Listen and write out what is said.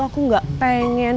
aku nggak pengen